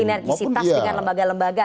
sinergisitas dengan lembaga lembaga